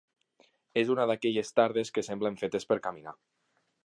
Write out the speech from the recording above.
És una d'aquelles tardes que semblen fetes per caminar.